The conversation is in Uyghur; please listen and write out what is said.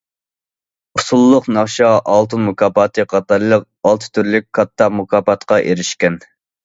ئۇسسۇللۇق ناخشا ئالتۇن مۇكاپاتى قاتارلىق ئالتە تۈرلۈك كاتتا مۇكاپاتقا ئېرىشكەن.